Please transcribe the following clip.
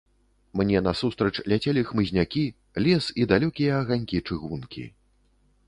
Мне насустрач ляцелі хмызнякі, лес і далёкія аганькі чыгункі.